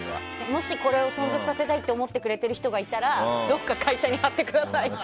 もしこれを存続させたいって思ってくれてる人がいたらどこか会社に貼ってくださいって。